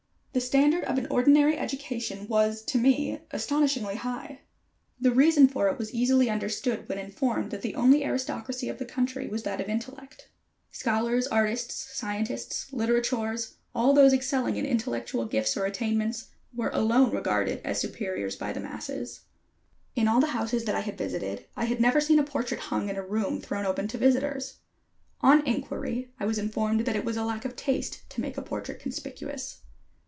The standard of an ordinary education was to me astonishingly high. The reason for it was easily understood when informed that the only aristocracy of the country was that of intellect. Scholars, artists, scientists, literateurs, all those excelling in intellectual gifts or attainments, were alone regarded as superiors by the masses. In all the houses that I had visited I had never seen a portrait hung in a room thrown open to visitors. On inquiry, I was informed that it was a lack of taste to make a portrait conspicuous.